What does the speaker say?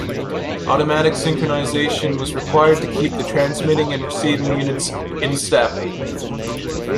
Automatic synchronization was required to keep the transmitting and receiving units "in step".